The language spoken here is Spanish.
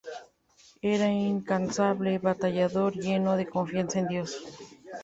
Era incansable, batallador, lleno de confianza en Dios.